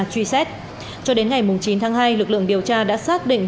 truy xét cho đến ngày chín tháng hai lực lượng điều tra đã xác định